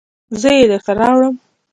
زه یې درته راوړم